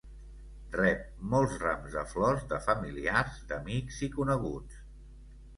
Rep molts rams de flors de familiars d'amics i coneguts.